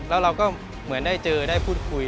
แล้วเราก็เหมือนได้เจอได้พูดคุย